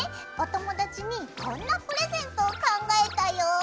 お友達にこんなプレゼントを考えたよ！